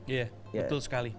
iya betul sekali